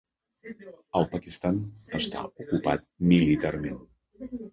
El Pakistan està ocupat militarment.